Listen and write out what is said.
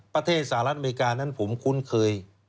สหรัฐอเมริกานั้นผมคุ้นเคย